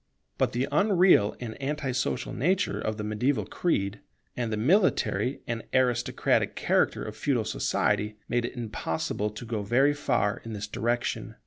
But the unreal and anti social nature of the mediaeval creed, and the military and aristocratic character of feudal society, made it impossible to go very far in this direction.